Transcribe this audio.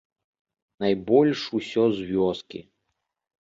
Найбольш усё з вёскі.